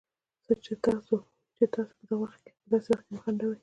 چې تاسو په داسې وخت کې وخندوي